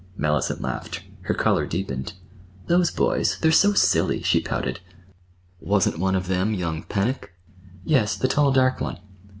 Mellicent laughed. Her color deepened. "Those boys—they're so silly!" she pouted. "Wasn't one of them young Pennock?" "Yes, the tall, dark one."